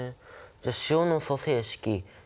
じゃあ塩の組成式